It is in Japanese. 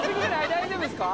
大丈夫ですか？